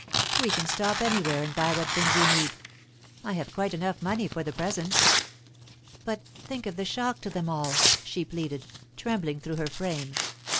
We can stop anywhere and buy what things you need. I have quite enough money for the present." "But think of the shock to them all!" she pleaded, trembling through her frame.